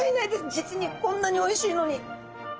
実にこんなにおいしいのに。